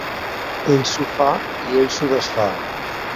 Ell s'ho fa i ell s'ho desfà.